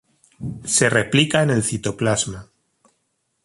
Se replica en el citoplasma.